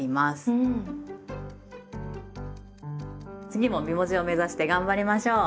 次も美文字を目指して頑張りましょう！